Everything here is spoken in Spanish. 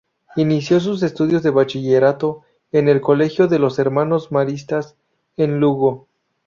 Inició sus estudios de bachillerato en el colegio de los Hermanos Maristas en Lugo.